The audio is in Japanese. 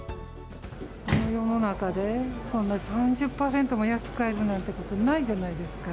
この世の中でそんな３０％も安く買えるなんてこと、ないじゃないですか。